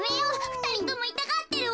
ふたりともいたがってるわ！